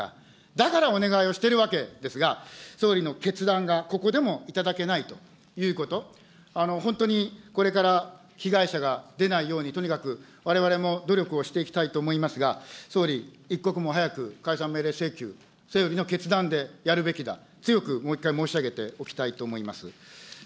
だからお願いをしているわけですが、総理の決断がここでも頂けないということ、本当にこれから被害者が出ないように、とにかくわれわれも努力をしていきたいと思いますが、総理、一刻も早く解散命令請求、総理の決断でやるべきだ、強くもう一回申し上げておきたいと思います。